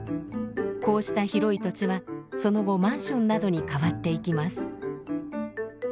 こうした広い土地はその後マンションなどに変わっていきます。